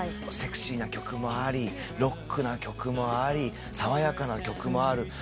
セクシーな曲もありロックな曲もあり爽やかな曲もある。